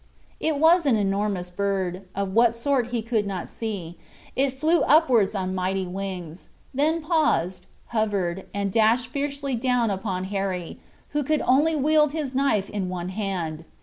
It was an enormous bird—of what sort he could not see; it flew upwards on mighty wings, then paused, hovered, and dashed fiercely down upon Harry, who could only wield his knife in one hand.